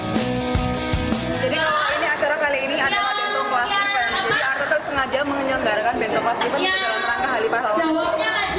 jadi kalau ini acara kali ini ada bento plastik jadi arta tersengaja mengenyelenggarakan bento plastik dalam rangka hari pahlawan